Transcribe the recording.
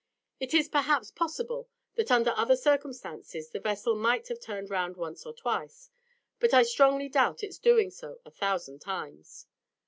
It is, perhaps, possible that under other circumstances the vessel might have turned round once or twice, but I strongly doubt its doing so a thousand times.